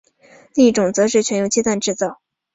另一种则是全用鸡蛋制造。